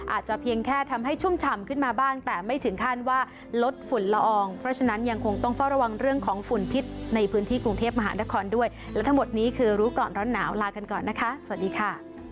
อาจจะเพียงแค่ทำให้ชุ่มฉ่ำขึ้นมาบ้างแต่ไม่ถึงขั้นว่าลดฝุ่นละอองเพราะฉะนั้นยังคงต้องเฝ้าระวังเรื่องของฝุ่นพิษในพื้นที่กรุงเทพมหานครด้วยและทั้งหมดนี้คือรู้ก่อนร้อนหนาวลากันก่อนนะคะสวัสดีค่ะ